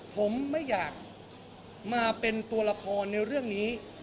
ผมไม่อยากมาเป็นตัวละครในเรื่องนี้